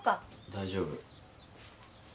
大丈夫。